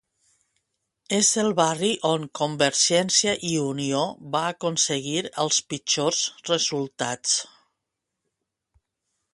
És el barri on CiU va aconseguir els pitjors resultats.